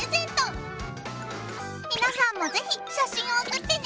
皆さんも是非写真を送ってね。